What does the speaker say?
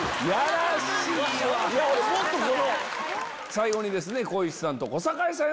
最後にですね。